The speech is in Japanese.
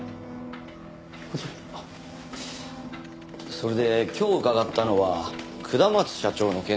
それで今日伺ったのは下松社長の件です。